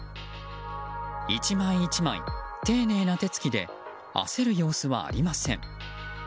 １枚１枚丁寧な手つきで焦る様子はありません。